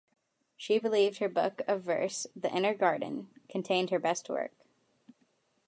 She believed her book of verse, "The Inner Garden", contained her best work.